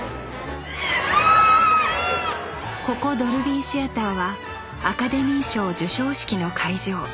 ここドルビーシアターはアカデミー賞授賞式の会場。